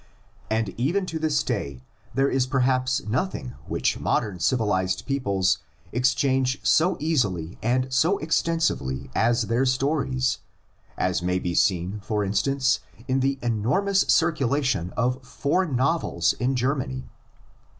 And even to this day there is perhaps nothing which modern civilised peoples exchange so easily and so extensively as their stories, as may be seen, for instance, in the enormous circulation of foreign novels in Germany.